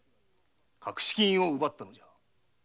隠し金を奪ったのだ。